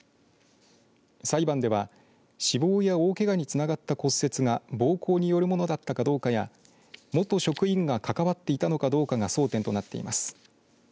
裁判では死亡や大けがにつながった骨折が暴行によるものだったかどうかや元職員が関わっていたのかどうかが争点となっています。